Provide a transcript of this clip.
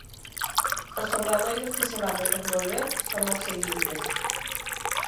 Os obradoiros que se van desenvolver son os seguintes: